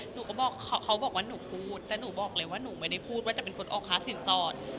หนูก็บอกเขาบอกว่าหนูพูดแต่หนูบอกเลยว่าหนูไม่ได้พูดว่าจะเป็นคนออกค่าสินสอด